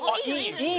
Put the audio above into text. いい。